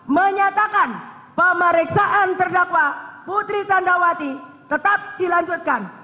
menyatakan pemeriksaan terdakwa putri candrawati tetap dilanjutkan